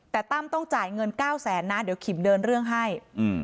แต่ตั้มต้องจ่ายเงิน๙แสนนะเดี๋ยวขิมเดินเรื่องให้